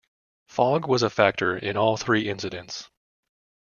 Fog was a factor in all three incidents.